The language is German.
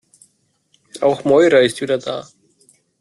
Auch Moira ist wieder da.